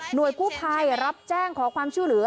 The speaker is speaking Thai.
หน่วยกู้ไพรรับแจ้งขอความชื่อหรือ